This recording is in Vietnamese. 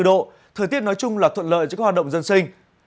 ba mươi bốn độ thời tiết nói chung là thuận lợi cho các hoạt động dân sinh